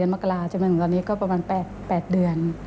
ประมาณ๘เดือน